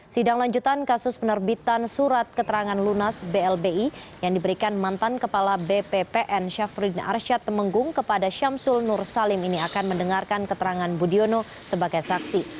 sidang lanjutan kasus penerbitan surat keterangan lunas blbi yang diberikan mantan kepala bppn syafruddin arsyad temenggung kepada syamsul nur salim ini akan mendengarkan keterangan budiono sebagai saksi